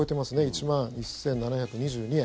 １万１７２２円。